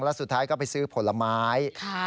แล้วสุดท้ายก็ไปซื้อผลไม้